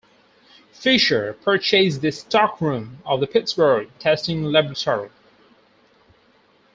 Fisher purchased the stockroom of the Pittsburgh Testing Laboratory.